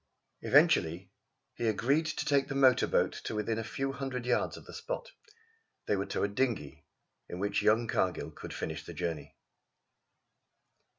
Eventually he agreed to take the motor boat to within a few hundred yards of the spot. They would tow a dinghy, in which young Cargill could finish the journey.